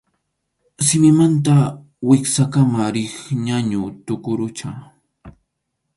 Simimanta wiksakama riq ñañu tuqurucha.